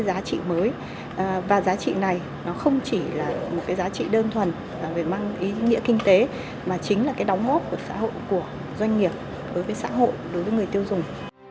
giá trị mới và giá trị này nó không chỉ là một cái giá trị đơn thuần mang ý nghĩa kinh tế mà chính là cái đóng góp của xã hội của doanh nghiệp đối với xã hội đối với người tiêu dùng